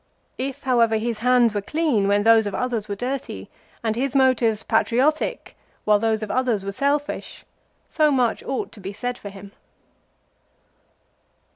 If however his hands were clean when those of others were dirty, and his motives patriotic while those of others were selfish, so much ought to be said for him.